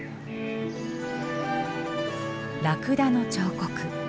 ラクダの彫刻。